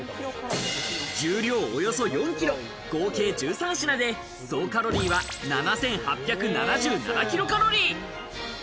重量およそ４キロ、合計１３品で、総カロリーは７８７７キロカロリー。